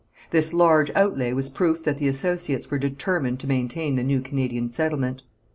This large outlay was proof that the associates were determined to maintain the new Canadian settlement.